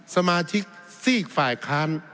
สมาชิกซีกฝ่ายค้าน